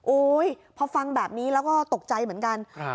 โอ้ยพอฟังแบบนี้แล้วก็ตกใจเหมือนกันครับ